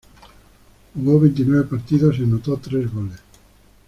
Jugó veintinueve partidos y anotó tres goles.